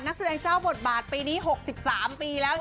นักแสดงเจ้าบทบาทปีนี้๖๓ปีแล้ว